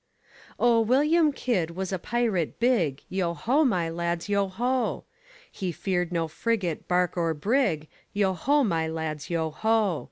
Oh, William Kidd was a pirate big, Yo ho, my lads, yo ho! He feared no frigate, bark or brig, Yo ho, my lads, yo ho!